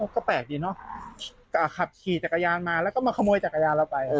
ก็แปลกดีเนอะขับขี่จักรยานมาแล้วก็มาขโมยจักรยานเราไป